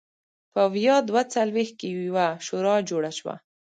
په ویا دوه څلوېښت کې یوه شورا جوړه شوه.